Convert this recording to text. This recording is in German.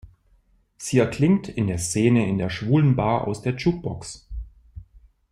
Sie erklingt in der Szene in der Schwulenbar aus der Jukebox.